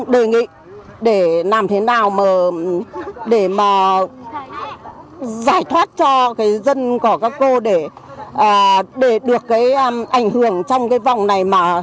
đề nghị để làm thế nào mà giải thoát cho dân của các cô để được ảnh hưởng trong vòng này